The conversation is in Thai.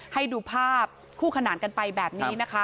ให้ดูภาพคู่ขนานกันไปแบบนี้นะคะ